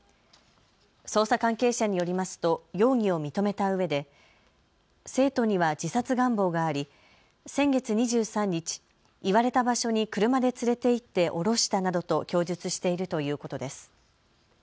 捜査関係者によりますと容疑を認めたうえで生徒には自殺願望があり先月２３日、言われた場所に車で連れて行って降ろしたなどと供述しているということです。